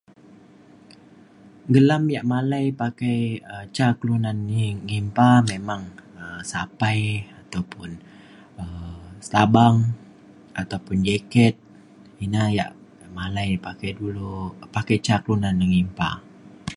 Gelam ya malai pakai um ca kelunan imba memang sapai ataupun sabang ataupun jaket ina ya melai pakai dulu pakai ca kelunan imba.